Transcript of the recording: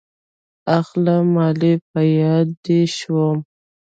اخله مالې په ياده دې شوم.